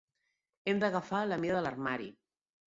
Hem d'agafar la mida de l'armari.